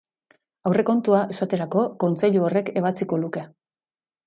Aurrekontua, esaterako, Kontseilu horrek ebatziko luke.